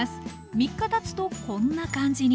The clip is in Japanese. ３日たつとこんな感じに。